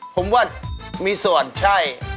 ผมว่ามีส่วนใช่